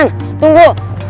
anjeng sunan tunggu